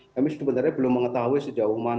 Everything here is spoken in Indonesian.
kami sebenarnya belum mengetahui sejauh mana